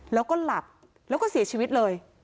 แล้วก็หลับแล้วก็เสียชีวิตเลย